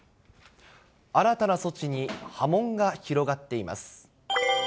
新たな措置に波紋が広がっています。